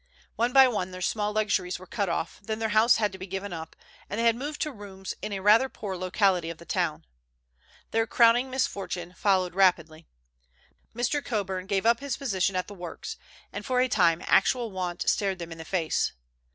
One by one their small luxuries were cut off, then their house had to be given up, and they had moved to rooms in a rather poor locality of the town. Their crowning misfortune followed rapidly. Mr. Coburn gave up his position at the works, and for a time actual want stared them in the face.